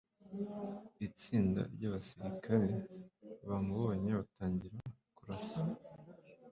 Itsinda ry’abasirikare bamubonye batangira kurasa.